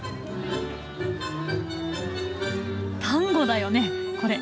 タンゴだよねこれ。